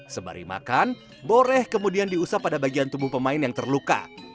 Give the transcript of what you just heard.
sembari makan boreh kemudian diusap pada bagian tubuh pemain yang terluka